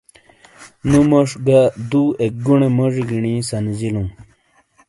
نو موج گا دو اک گونے موجی گینی سنیجیلوں